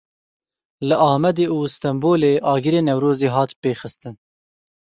Li Amedê û Stenbolê agirê Newrozê hat pêxistin.